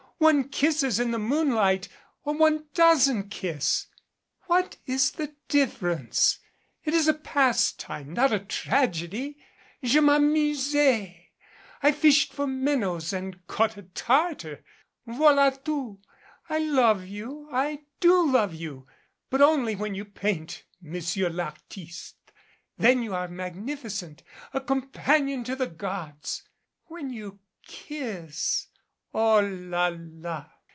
One kisses in the moonlight or one doesn't kiss. What is the difference? It is a pastime not a tragedy. Je m'amusais. I fished for minnows and caught a Tartar voila tout. I love you I do love you but only when you paint, monsieur I'artiste then you are magnificent a companion to the gods! When you kiss Oh, la la